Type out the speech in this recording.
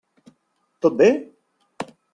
Tot bé?